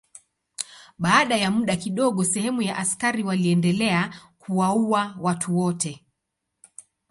Baada ya muda kidogo sehemu ya askari waliendelea kuwaua watu wote.